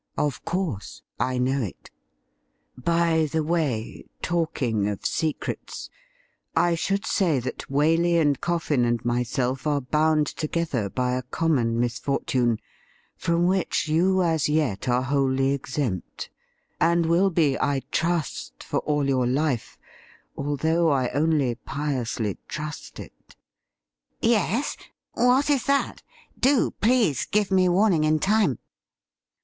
' Of com"se, I know it. By the way, talking of secrets, I should say that Waley and Coffin and myself are bound together by a common misfortune from which you as yet are wholly exempt ; and will be, I trust, for all your life, although I only piously trust it.' ' Yes ; what is that .'' Do, please, give me warning in time.'